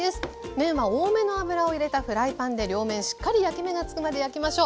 麺は多めの油を入れたフライパンで両面しっかり焼き目がつくまで焼きましょう。